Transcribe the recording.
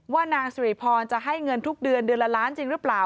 นางสุริพรจะให้เงินทุกเดือนเดือนละล้านจริงหรือเปล่า